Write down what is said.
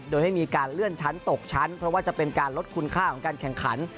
โดยให้มีการเลื่อนชั้นตกชั้นเพราะว่าจะเป็นการลดคุณค่าของการแข่งขัน